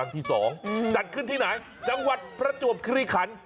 จัดขึ้นที่ไหนจังหวัดประจวบคิริขัน